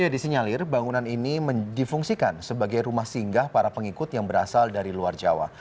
disinyalir bangunan ini difungsikan sebagai rumah singgah para pengikut yang berasal dari luar jawa